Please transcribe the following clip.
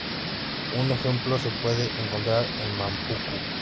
Un ejemplo se puede encontrar en Mampuku-ji.